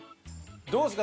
どうですか？